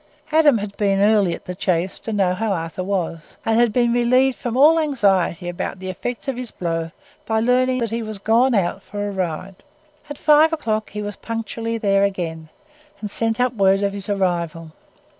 Adam had been early at the Chase to know how Arthur was, and had been relieved from all anxiety about the effects of his blow by learning that he was gone out for a ride. At five o'clock he was punctually there again, and sent up word of his arrival.